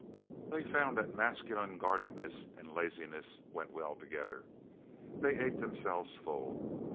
They found that masculine guardedness and laziness went well together. They ate themselves full.